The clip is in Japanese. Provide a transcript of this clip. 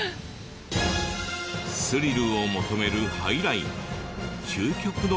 スリルを求めるハイライン究極の楽しみ方は。